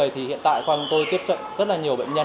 thì hiện tại quan tôi tiếp cận rất là nhiều bệnh nhân